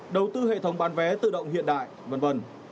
đầu tư hệ thống bán vé tự động hiện đại v v